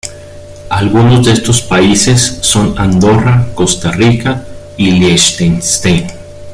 Algunos de esos países son Andorra, Costa Rica y Liechtenstein.